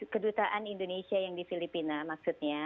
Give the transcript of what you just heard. kedutaan indonesia yang di filipina maksudnya